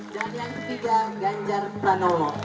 dan yang ketiga ganjar pranowo